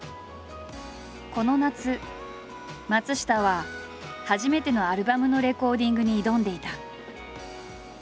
この夏松下は初めてのアルバムのレコーディングに挑んでいた。